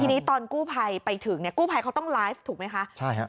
ทีนี้ตอนกู้ภัยไปถึงเนี่ยกู้ภัยเขาต้องไลฟ์ถูกไหมคะใช่ครับ